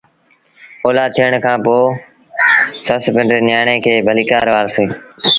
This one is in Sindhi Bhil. اوآد ٿيڻ کآݩ پو سس پنڊري نيٚآڻي کي ڀليٚڪآر وآرسي